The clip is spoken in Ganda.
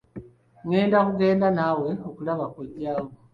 Ngenda kugenda nawe okulaba kojja wo.